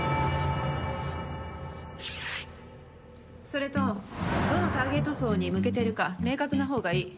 それと、どのターゲット層に向けているのか明確なほうがいい。